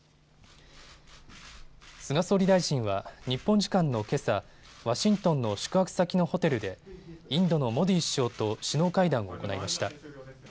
菅総理大臣は日本時間のけさ、ワシントンの宿泊先のホテルでインドのモディ首相と首脳会談を行いました。